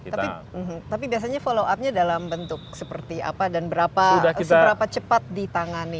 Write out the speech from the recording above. tapi biasanya follow up nya dalam bentuk seperti apa dan seberapa cepat ditangani